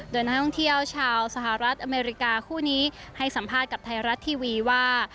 โดยนักท่องเที่ยวชาวสหรัฐอเมริกาคู่นี้ให้สัมภาษณ์กับไทยรัฐทีวีว่า